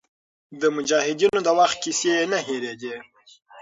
د مجاهدینو د وخت کیسې یې نه هېرېدې.